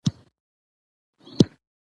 زموږ نیکونو دا ویلي له پخوا دي